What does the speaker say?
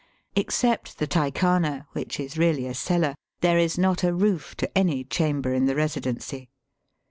Except the Tykhana, which is really a cellar, there is not a roof to any chamber in the Kesidency.